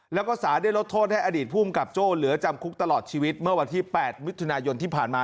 แล้วก็สารได้ลดโทษให้อดีตภูมิกับโจ้เหลือจำคุกตลอดชีวิตเมื่อวันที่๘มิถุนายนที่ผ่านมา